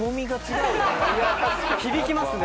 響きますね。